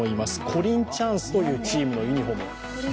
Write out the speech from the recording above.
コリンチャンスというチームのユニフォーム。